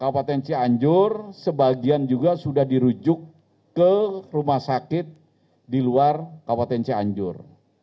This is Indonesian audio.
kabupaten cianjur sebagian juga sudah dirujuk ke rumah sakit di luar kabupaten cianjur